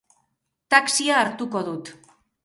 Taxia hartuko dut.